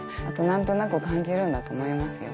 何となく感じるんだと思いますよ